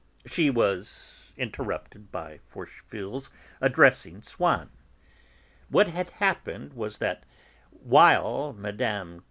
She was interrupted by Forcheville's addressing Swann. What had happened was that, while Mme.